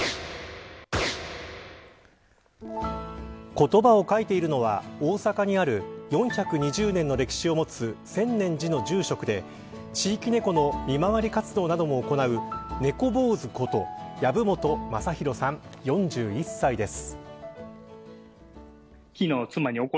言葉を書いているのは大阪にある４２０年の歴史を持つ専念寺の住職で地域ネコの見回り活動なども行うネコ坊主こと籔本正啓さん４１歳です。